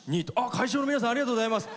会場の皆さんありがとうございます。